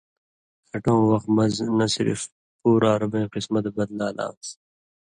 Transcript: کَھٹوں وَخ مَز نہ صِرف ُپور عربئیں قسمت بدلال آنٚس